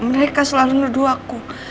mereka selalu nuduh aku